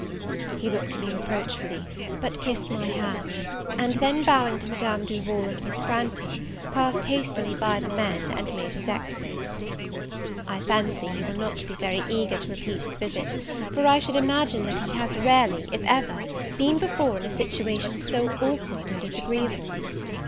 He looked at me reproachfully, but kissed my hand; and then, bowing to Madame Duval and Miss Branghton, passed hastily by the men, and made his exit. I fancy he will not be very eager to repeat his visit; for I should imagine he has rarely, if ever, been before in a situation so awkward and disagreeable.